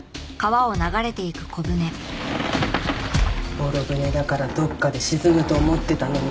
ボロ舟だからどっかで沈むと思ってたのに。